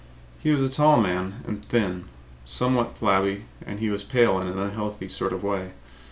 He was a tall man and thin, somewhat flabby and he was pale in an unhealthy sort of way.